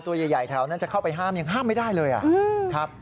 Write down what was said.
ตัวใหญ่แถวนั้นจะเข้าไปห้ามยังห้ามไม่ได้เลยครับ